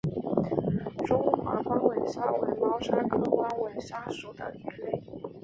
中华光尾鲨为猫鲨科光尾鲨属的鱼类。